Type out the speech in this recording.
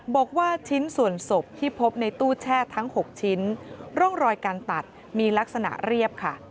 บอกว่าชิ้นส่วนศพที่พบในตู้แช่ทั้ง๖ชิ้นร่องรอยการตัดมีลักษณะเรียบค่ะ